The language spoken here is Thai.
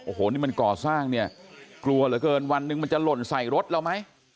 โอ้โหนี่มันก่อสร้างเนี่ยกลัวเหลือเกินวันหนึ่งมันจะหล่นใส่รถเราไหม